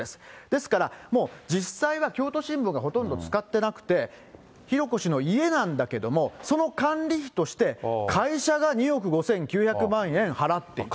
ですから、もう実際は京都新聞がほとんど使ってなくて、浩子氏の家なんだけれども、その管理費として、会社が２億５９００万円払っていた。